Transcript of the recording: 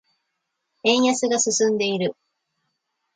円安が進んでいる。